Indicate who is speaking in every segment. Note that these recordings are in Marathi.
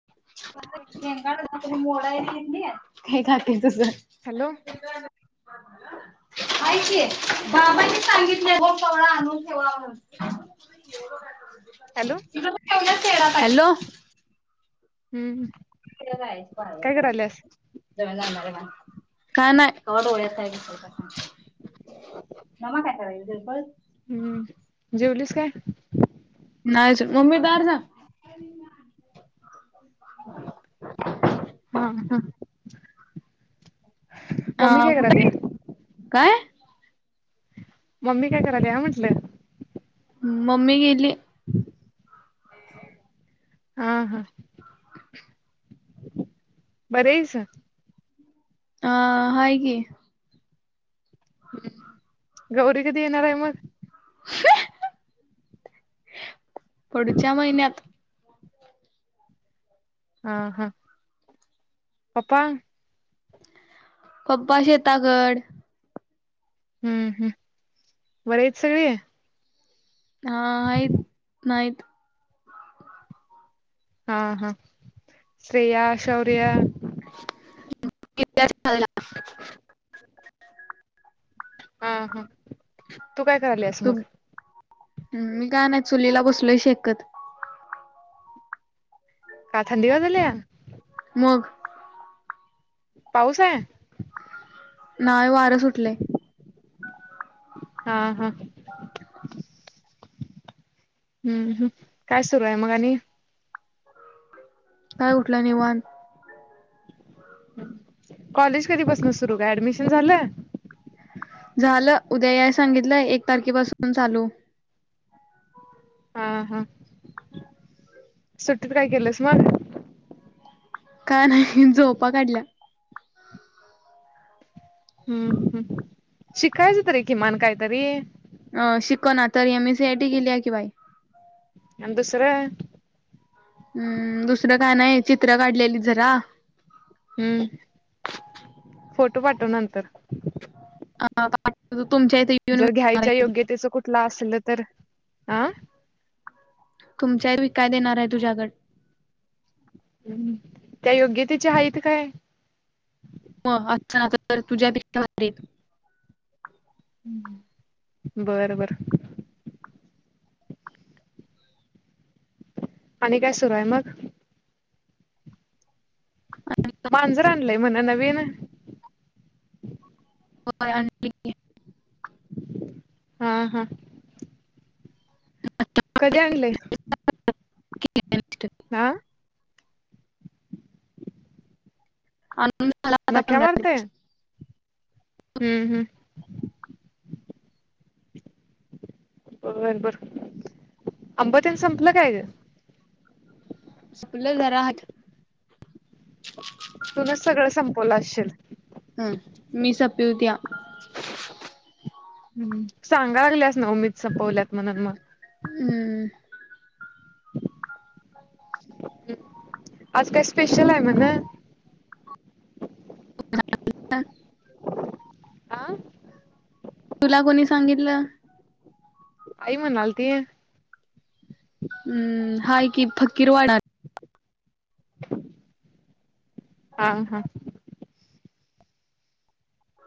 Speaker 1: [unintelligible] हे खात तस.
Speaker 2: हॅलो.
Speaker 1: माहीतीए. बाबांनी सांगितलंय [unintelligible] आणून [unintelligible]
Speaker 2: हॅलो
Speaker 1: [unintelligible] हॅलो.
Speaker 2: हम्म. काय करायल्यास
Speaker 1: [unintelligible] कधी जाणार मंग? काय नाही. कट [unintelligible] [unintelligible]
Speaker 2: हम्म. जेवलीस काय?
Speaker 1: नाही अजून. मम्मी [unintelligible] जा.
Speaker 2: हा हा. ममी
Speaker 1: अं,
Speaker 2: काय
Speaker 1: कुठं आहे? काय
Speaker 2: [unintelligible] मम्मी काय करायते? हा म्हंटलं.
Speaker 1: हं. मम्मी गेलीये.
Speaker 2: हम्. हा. हा. बरेय सा?
Speaker 1: आं. हाये की.
Speaker 2: गौरी कधी येणार आहे मग?
Speaker 1: [inaudible] पुढच्या महिन्यात
Speaker 2: हा हा. पपा.
Speaker 1: पप्पा शेताकड.
Speaker 2: हुं. हुं. बरी हायेत सगळी?
Speaker 1: हा हायीत, नाहित.
Speaker 2: हा हा. श्रेया, शौर्य?
Speaker 1: गेलीया शाळेला.
Speaker 2: हा. तू काय करायलीस मग?
Speaker 1: तू मी काय नाही, चुलीला बसलोय शेकत.
Speaker 2: का थंडी वाजाल्या?
Speaker 1: मग.
Speaker 2: पाऊस हाय.
Speaker 1: नाही वारं सुटलय.
Speaker 2: हा हा. हू हू काय सुरू आहे मग आणि?
Speaker 1: काय उठलं नि वान
Speaker 2: कॉलेज कधीपासन सुरू? काय ऍडमिशन झालं.
Speaker 1: झालं. उद्या याय सांगितलंय, एक तारखेपासून चालू.
Speaker 2: हा हा सुट्टीत काय केलंस मग?
Speaker 1: काय नाही झोपा काढल्या.
Speaker 2: हूम हम् शिकायचं तरीे किमान काहीतरी.
Speaker 1: अ शिक ना तर, M S C I T केली आहे की बाई.
Speaker 2: आणि दुसरं.
Speaker 1: उम्म दुसरं काय नाही, चित्र काढलेली जरा.
Speaker 2: हुं. फोटो पाठव नंतर.
Speaker 1: अ पाठवतो तुमच्या इथ
Speaker 2: जर घ्यायच्या योग्यतेच कुठला असल तर? अ
Speaker 1: तुमची आई वीकाय देणार हाय तुझ्याकड.
Speaker 2: ह् त्या योग्यतेचे हायित काय?
Speaker 1: म असं ना तर, तुझ्यापेक्षा भारी येत.
Speaker 2: बर बर. आणि काय सुरू हाय मग?
Speaker 1: आणि काय
Speaker 2: मांजर आणलंय म्हण नवीन?
Speaker 1: व्हय आणल की
Speaker 2: हा हा.
Speaker 1: [inaudible]
Speaker 2: कधी आणलंय?
Speaker 1: िती [inaudible]
Speaker 2: हा.
Speaker 1: आणून झाला आता
Speaker 2: नक्या
Speaker 1: पंधरा
Speaker 2: मारतय.
Speaker 1: दिवस.
Speaker 2: हूम हुं. बर बर, आंब तेन संपलं काय ग?
Speaker 1: सुकल घरात.
Speaker 2: तूनच सगळं संपवलं असशील.
Speaker 1: हम. मी सपिवत्या. [inaudible]
Speaker 2: हम्. सांगा लागल्यास नव मीच सपवल्यास म्हणून मग.
Speaker 1: हम्म.
Speaker 2: आज काय स्पेशल आहे म्हण.
Speaker 1: [inaudible]
Speaker 2: आ
Speaker 1: तुला कोणी सांगितलं?
Speaker 2: आई मनालती.
Speaker 1: हम्. हाय कि फकीरवाडा.
Speaker 2: हा हा.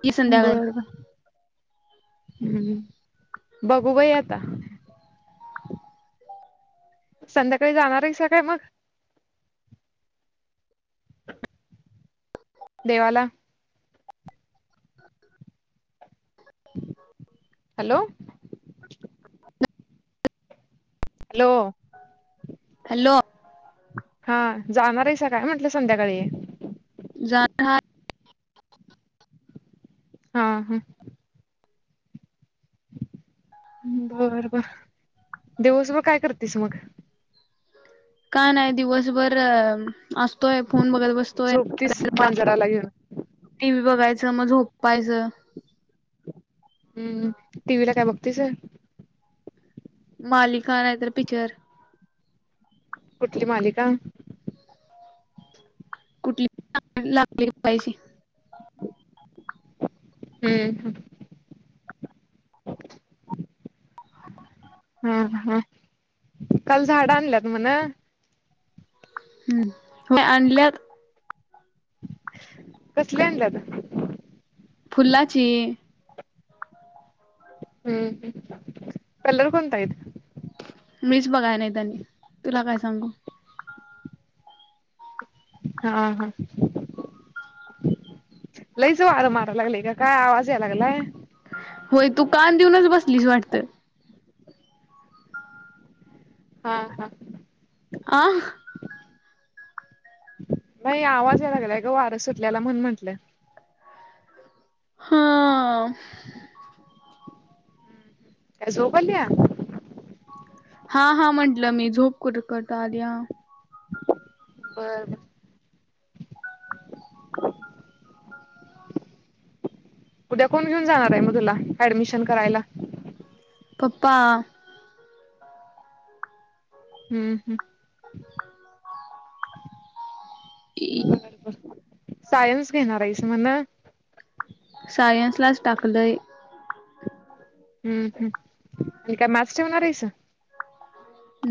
Speaker 1: की संध्याकाळी
Speaker 2: बर बर. हम्. बघू बाय आता. संध्याकाळी जाणार आहे सा काय मग? देवाला.
Speaker 1: [inaudible]
Speaker 2: हॅलो. हॅलो.
Speaker 1: हॅलो.
Speaker 2: हा. जाणार आहे स काय म्हटलं संध्याकाळी?
Speaker 1: जाणार
Speaker 2: हा हा. बर बर. दिवसभर काय करतेस मग?
Speaker 1: का नाही. दिवसभर असतोय फोन बघत बसतो.
Speaker 2: झोपतीस मांजराला घेऊन.
Speaker 1: टी‌. व्ही. बघायचं मग झोपायचं.
Speaker 2: हम्म. टी व्ही ला काय बघतीस?
Speaker 1: मालिका नाहीतर पिक्चर.
Speaker 2: कुठली मालिका?
Speaker 1: कुठली लागली
Speaker 2: हम्म हम. हा हा. काल झाड आणल्यात म्हण.
Speaker 1: हम्. मे अनल्यात
Speaker 2: कसली आणल्यात?
Speaker 1: फुल्लाची.
Speaker 2: हम्म. कलर कोतायेत?
Speaker 1: मीच बघाय नाहीत आणि तुला काय सांगू?
Speaker 2: हा हा. लईच वारं मारा लागलं का काय आवाज याय लागलाय?
Speaker 1: होय तू कान देऊनच बसलीस वाटत.
Speaker 2: हा हा.
Speaker 1: आ
Speaker 2: नाही आवाज यायला लागलाय ग वारं सुटल्याला म्हणून म्हटलं.
Speaker 1: हा.
Speaker 2: काय झोप आल्या?
Speaker 1: हा हा म्हंटलं मी. झोप कुट कुठ आल्या.
Speaker 2: बर बर. उद्या कोण घेऊन जाणार आहे मग तुला, ऍडमिशन करायला?
Speaker 1: पप्पा.
Speaker 2: हम्म -हं, बरं, बरं सायन्स घेणार आहेस म्हण
Speaker 1: सायन्स लाच टाकलंय.
Speaker 2: हम्म, ह् आणि काय मास् ठेवणार आहेस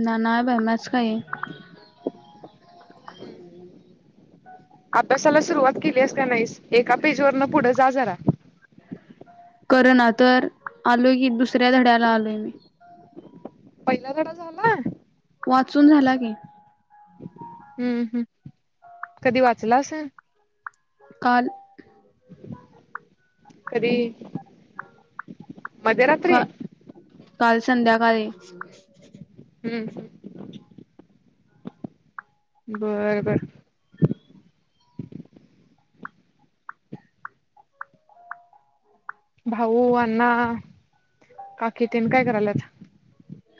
Speaker 1: ना नाही बावलाच काही
Speaker 2: हम्, अभ्यासाला सुरुवात केलीयास् का नाहीस, एका पेज वरन पुढं जा जरा.
Speaker 1: कर ना तर आलोय की, दुसऱ्या धड्याला आलोय मी.
Speaker 2: पहिला धडा झाला?
Speaker 1: वाचून झाला की.
Speaker 2: हम्म, हम् कधी वाचलास?
Speaker 1: काल.
Speaker 2: कधी? मध्यरात्री
Speaker 1: का, काल संध्याकाळी.
Speaker 2: हम्म, बरं बरं, भाऊ, अण्णा, काकी तेन काय करायल्यात?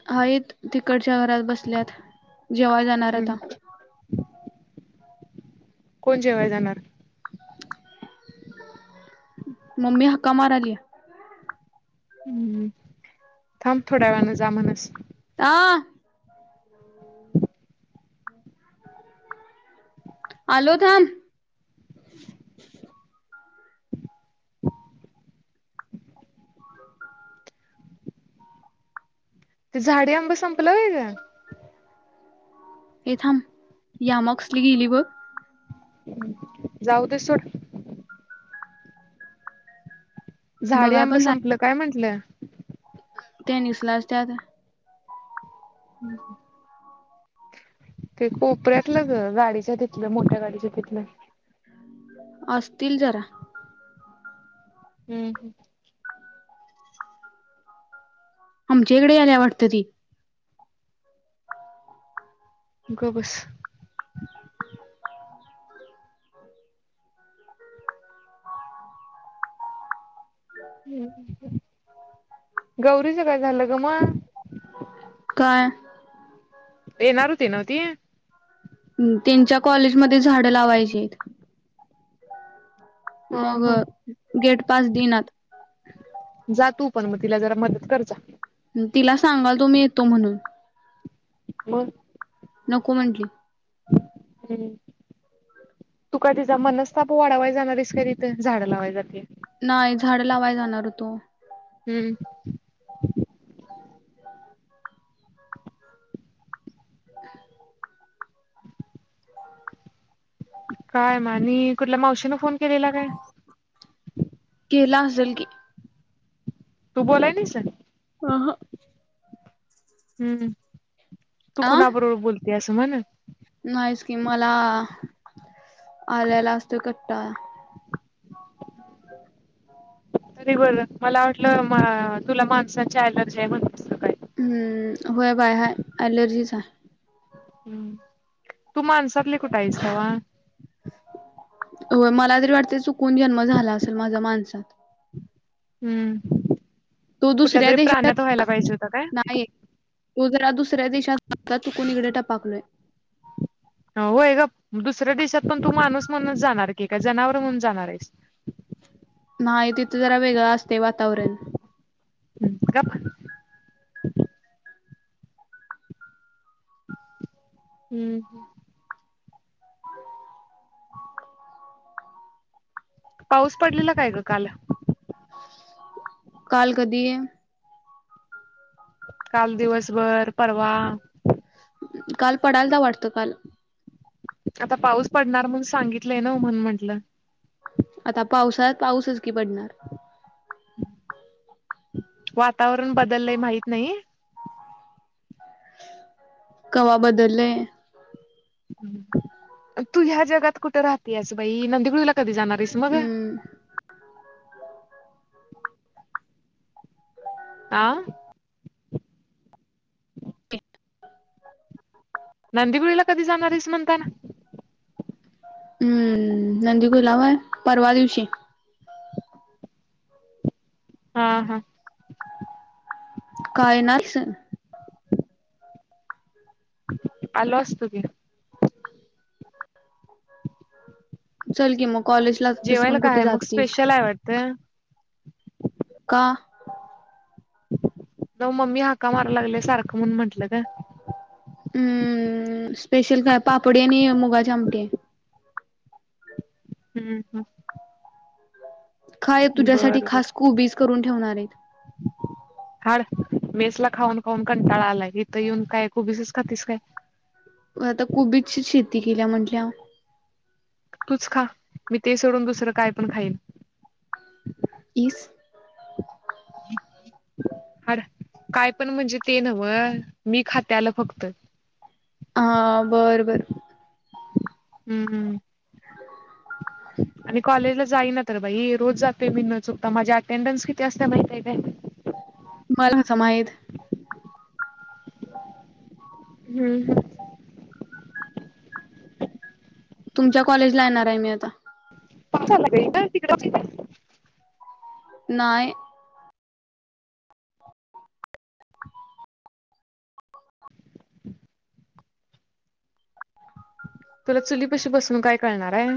Speaker 1: हायेत तिकडच्या घरात बसल्यात, जेवायं जाणार आता
Speaker 2: हम्म कोण जेवायंला जाणार?
Speaker 1: ममी हक्का मारायली या.
Speaker 2: हम्- हं थांब थोडा वेणी जा म्हणस्
Speaker 1: आ, आलो थांब.
Speaker 2: ते झाडे आंबे संपलं होय गं?
Speaker 1: हे थांब या मगसली गेली बघ
Speaker 2: जाऊ दे सोड. झाडे
Speaker 1: बघाय
Speaker 2: आंबे संपलं काय म्हंटलीया
Speaker 1: ते निसला टाईम ये.
Speaker 2: हम्, ते कोपऱ्यातलं ग गाडीच्या तिथलं, मोठ्या गाडीच्या तिथलं.
Speaker 1: असतील जरा
Speaker 2: हम्म -हम्,
Speaker 1: आमच्या इकडे यायला वाटतं ते
Speaker 2: ग बस. गौरी ला बघायला ग ना
Speaker 1: काय?
Speaker 2: येणार होती नाव्ह ती.
Speaker 1: त्यांच्या कॉलेजमध्ये झाडं लावायची येत. मग
Speaker 2: हा.
Speaker 1: गेट पास दिलात.
Speaker 2: जा तू पण मग, तिला जरा मदत कर जा.
Speaker 1: तिला सांगाल तुम्ही येतो म्हणून.
Speaker 2: बर,
Speaker 1: नको म्हटली.
Speaker 2: हम्म. तु का तिचा मनस्ताप वाढावाय जाणारीस का तिथं, झाडं लावाय जात्या.
Speaker 1: नाही, झाड लावाय जाणार होतो.
Speaker 2: हम्म. काय मग आणी, कुठल्या मावशीनं फोन केलेला काय?
Speaker 1: केला असेल की.
Speaker 2: तू बोलाय नाहीस?
Speaker 1: अह.
Speaker 2: हम्म, तू
Speaker 1: अ
Speaker 2: कुणाबरोबर बोलत्यास म्हण.
Speaker 1: नाहीच की मला, आल्याला असतो कंटाळा.
Speaker 2: तरी बरं, मला वाटलं तुला माणसाची अलर्जी आहे म्हणून.
Speaker 1: हम्म होय बाय हाय एलर्जीचा आहे.
Speaker 2: हम्म, तू माणसातली कुठ हाईस तवा.
Speaker 1: हो मला तरी वाटत चुकून जन्म झाला असेल, माझ्या माणसात.
Speaker 2: हम्म,
Speaker 1: तो
Speaker 2: कुठल्या
Speaker 1: दुसऱ्या
Speaker 2: तरी
Speaker 1: देशात
Speaker 2: प्राण्यात व्हायला पाहिजे होतं काय?
Speaker 1: नाही तो जरा दुसऱ्या देशात तु कोणीकडे टपाकलोय.
Speaker 2: होय ग, दुसऱ्या देशात पण तू माणूस म्हणूनच जाणार की का जनावर म्हणून जाणार आहेस.
Speaker 1: नाही तिथं जरा वेगळं असते वातावरण.
Speaker 2: गप्प. हम्म. पाऊस पडलेला काय ग काल?
Speaker 1: काल कधी?
Speaker 2: काल दिवसभर, परवा.
Speaker 1: काल पडायलता वाटतं काल.
Speaker 2: आता पाऊस पडणार म्हण सांगितलंय ना म्हणून म्हंटलं.
Speaker 1: आता पावसळात पाऊसच की पडणार.
Speaker 2: वातावरण बदललंय माहित नाही.
Speaker 1: कव्हा बदललेय?
Speaker 2: तू ह्या जगात कुठे राहते आस बाई, नंदिगुडला कधी जाणार आहेस मग?
Speaker 1: हम्म
Speaker 2: आ. नंदिबुळीला कधी जाणार आहेस म्हणताना.
Speaker 1: हम्म नंदी गुलाव होय, परवा दिवशी.
Speaker 2: हा हा.
Speaker 1: काय ना अस
Speaker 2: आलो असत की.
Speaker 1: चल की मग कॉलेज ला तस
Speaker 2: जेवायला
Speaker 1: पण
Speaker 2: काय
Speaker 1: कुठे
Speaker 2: आहे मग
Speaker 1: जातेस.
Speaker 2: स्पेशल आहे वाटतं
Speaker 1: का?
Speaker 2: न मम्मी हाका माराला लागल्या सारखं म्हणून म्हंटलं ग.
Speaker 1: हम्म स्पेशल काय, पापडी आणि मुगाचे आमटी हाय.
Speaker 2: हम्म हम्.
Speaker 1: काय तुझ्यासाठी
Speaker 2: बरं बर
Speaker 1: खास खुबीज करून ठेवणार आहे.
Speaker 2: [unintelligible] हाड, मेस ला खाऊन खाऊन कंटाळा आला इथं येऊन काय खुबीसच खातीस काय.
Speaker 1: आता कुबीज ची शेती केल्या म्हटल्या वर.
Speaker 2: तूच खा. मी ते सोडून दुसरं काय पण खाईन.
Speaker 1: इस
Speaker 2: हाड.. काय पण म्हणजे ते नव.. मी खात्याल बगत.
Speaker 1: हा.. बरं- बर
Speaker 2: हम्म.. ह्म्म्म आणि कॉलेजला जाई ना तर बाई रोज जातोय मी न चुकता माझ्या अटेंडन्स किती असत माहित नई काय
Speaker 1: मलाच माहित
Speaker 2: हम्.. हम्..
Speaker 1: तुमच्या कॉलेजला येणार आहे मी आता
Speaker 2: पल चालला का इकडं.. तिकडची हाय
Speaker 1: नाई
Speaker 2: तुला चुलीपाशी बसून काय कळणार आहे.